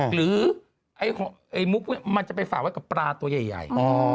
หรือไอ้มุกมันจะไปฝากไว้กับปลาตัวใหญ่